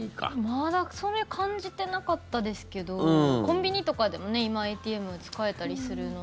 まだ、それ感じてなかったですけどコンビニとかでも今、ＡＴＭ使えたりするので。